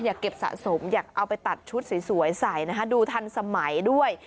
อยากเก็บสะสมอยากเอาไปตัดชุดสวยใส่นะคะดูทันสมัยด้วย